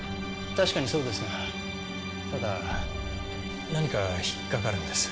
確かにそうですがただ何か引っかかるんです。